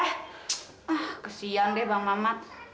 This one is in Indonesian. ah kesian deh bang mamat